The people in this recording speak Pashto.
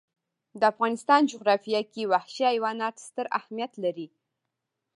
د افغانستان جغرافیه کې وحشي حیوانات ستر اهمیت لري.